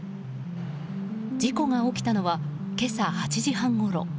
事故が起きたのは今朝８時半ごろ。